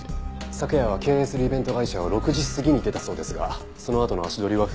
昨夜は経営するイベント会社を６時過ぎに出たそうですがそのあとの足取りは不明です。